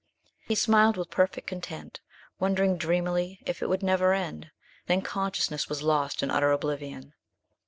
He smiled with perfect content, wondering dreamily if it would never end; then consciousness was lost in utter oblivion.